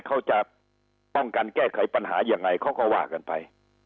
เขาจะป้องกันแก้ไขปัญหายังไงเขาก็ว่ากันไป